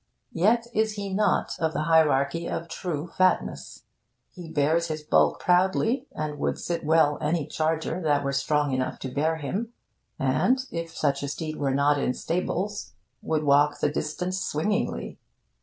Yet is he not of the hierarchy of true fatness. He bears his bulk proudly, and would sit well any charger that were strong enough to bear him, and, if such a steed were not in stables, would walk the distance swingingly.